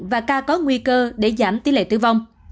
và ca có nguy cơ để giảm tỷ lệ tử vong